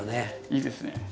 いいですね。